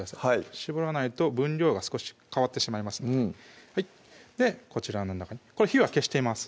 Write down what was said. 絞らないと分量が少し変わってしまいますのでこちらの中に火は消しています